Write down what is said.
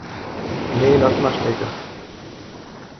Nee, lass mal stecken.